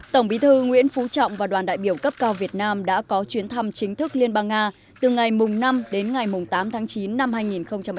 tổng bí thư nguyễn phú trọng và đoàn đại biểu cấp cao việt nam đã có chuyến thăm chính thức liên bang nga từ ngày năm đến ngày tám tháng chín năm hai nghìn một mươi chín